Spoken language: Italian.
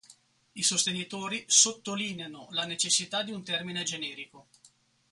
I sostenitori sottolineano la necessità di un termine generico.